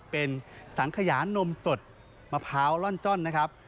เป็นสังขยานมสดมะพร้าวร่อนจ้อนนะครับ